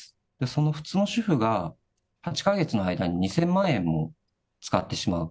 その普通の主婦が８か月の間に２０００万円も使ってしまう。